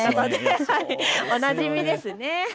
おなじみですね。